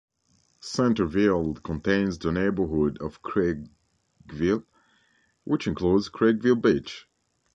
Centerville contains the neighborhood of Craigville, which includes Craigville Beach.